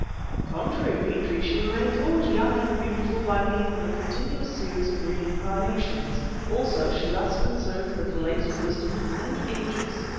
"On the contrary, Petrie, she remains always young and beautiful by means of a continuous series of reincarnations; also she thus conserves the collated wisdom of many ages.